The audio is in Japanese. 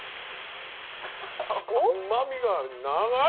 うまみが長い！